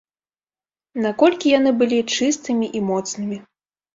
Наколькі яны былі чыстымі і моцнымі.